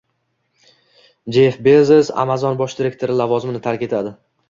Jyeff Bezos Amazon bosh direktori lavozimini tark etadi